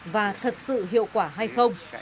và thật sự hiệu quả hay không